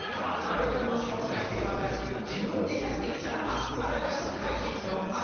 だれかのしょうかいではなくじぶんでやってきたアスパラガス怪人のアス原ガス男です。